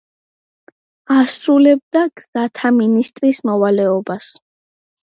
ასრულებდა გზათა მინისტრის მოვალეობას.